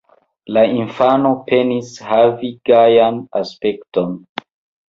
La infano penis havi gajan aspekton.